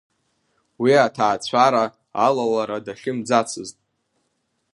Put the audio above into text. Уи аҭаацәара алалара дахьымӡацызт.